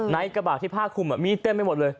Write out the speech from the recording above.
กระบาดที่ผ้าคุมมีเต็มไปหมดเลย